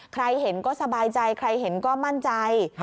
ใครเห็นก็สบายใจใครเห็นก็มั่นใจ